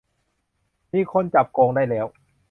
มีคนจับโกงได้แล้ว